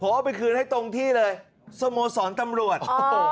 ผมเอาไปคืนให้ตรงที่เลยสโมสรตำรวจ